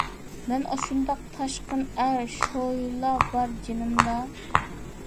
مەن ئاشۇنداق تاشقىن ئەر شولىلار بار جېنىمدا.